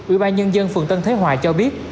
ủy ban nhân dân phường tân thế hòa cho biết